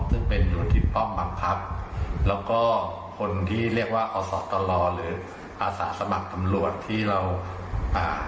ซึ่งเป็นอยู่ที่ป้อมบังคับแล้วก็คนที่เรียกว่าอสตรอหรืออาสาสมัครตำรวจที่เราอ่า